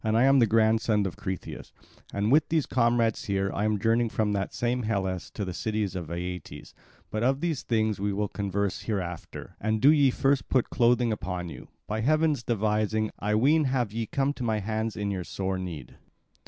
I am the grandson of Cretheus, and with these comrades here I am journeying from that same Hellas to the city of Aeetes. But of these things we will converse hereafter. And do ye first put clothing upon you. By heaven's devising, I ween, have ye come to my hands in your sore need."